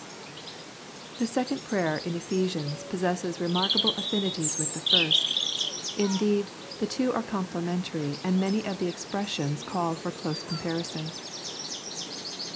The second prayer in Ephesians possesses remarkable affinities with the first ; indeed, III The Prayers of St. Paul the two are complementary, and many of the expressions call for close comparison.